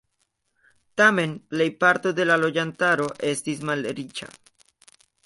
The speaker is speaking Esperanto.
Tamen, plejparto de la loĝantaro estis malriĉa.